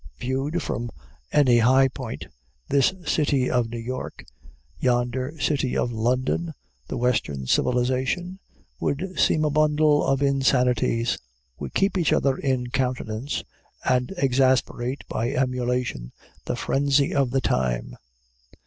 Viewed from any high point, this city of New York, yonder city of London, the western civilization, would seem a bundle of insanities. We keep each other in countenance, and exasperate by emulation the frenzy of the time.